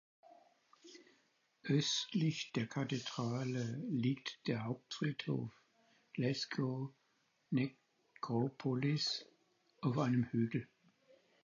Östlich der Kathedrale liegt der Hauptfriedhof „Glasgow Necropolis“ auf einem Hügel.